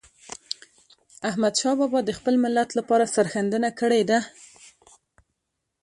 احمدشاه بابا د خپل ملت لپاره سرښندنه کړې ده.